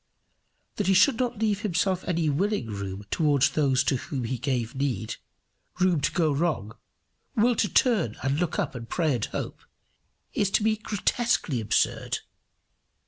That he should not leave himself any willing room towards those to whom he gave need, room to go wrong, will to turn and look up and pray and hope, is to me grotesquely absurd.